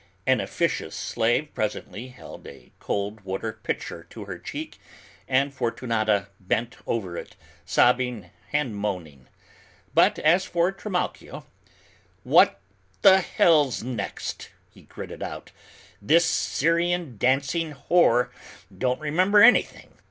An officious slave presently held a cold water pitcher to her cheek and Fortunata bent over it, sobbing and moaning. But as for Trimalchio, "What the hell's next?" he gritted out, "this Syrian dancing whore don't remember anything!